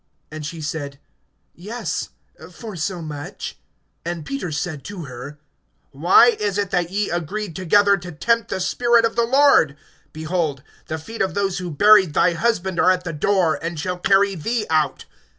And she said: Yes, for so much. (9)And Peter said to her: Why is it that ye agreed together to tempt the Spirit of the Lord? Behold, the feet of those who buried thy husband are at the door, and shall carry thee out.